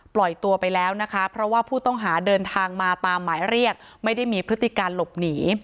ปล่อยตัวไปแล้วนะคะเพราะว่าผู้ต้องหาเดินทางมาตามหมายเรียกไม่ได้มีพฤติการหลบหนี